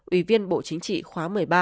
ủy viên bộ chính trị khóa một mươi ba